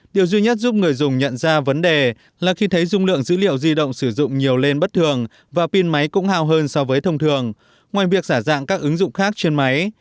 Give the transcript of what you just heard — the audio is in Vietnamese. điều duy nhất giúp người dùng nhận ra vấn đề là khi thấy dung lượng dữ liệu di động sử dụng nhiều lên bất thường và pin máy cũng hào hơn so với thông thường ngoài việc giả dạng các ứng dụng khác trên máy